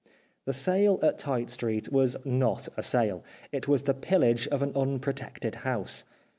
The sale at Tite Street was not a sale ; it was the pillage of an unprotected house.